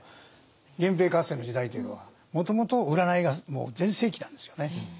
源平合戦の時代というのはもともと占いが全盛期なんですよね。